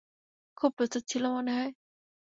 খুব প্রস্তুত ছিলে মনে হয়।